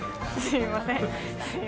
すいません